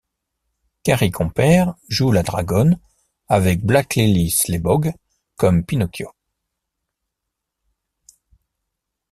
Carrie Compere joue la dragonne, avec Blakely Slaybaugh comme Pinocchio.